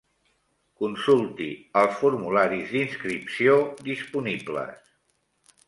Consulti els formularis d'inscripció disponibles.